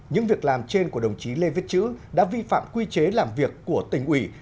những việc làm trên của đồng chí lê viết chữ đã vi phạm quy chế làm việc của tỉnh ủy